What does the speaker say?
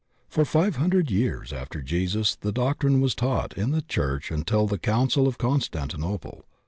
For five hundred years after Jesus the doctrine was taught in the church until the Council of Constantinople.